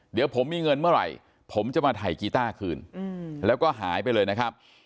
เดี๋ยวผมมีเงินเมื่อไหร่ผมจะมาถ่ายกีต้าคืนแล้วก็หายไปเลยนะครับ